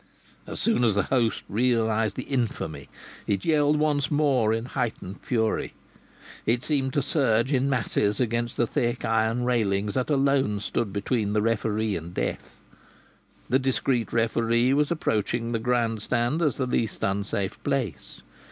As soon as the host realized the infamy it yelled once more in heightened fury. It seemed to surge in masses against the thick iron railings that alone stood between the referee and death. The discreet referee was approaching the grand stand as the least unsafe place.